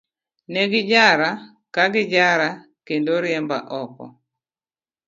Ne gijara, ka gijara, kendo riemba oko.